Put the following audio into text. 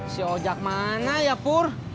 si ojak mana ya pur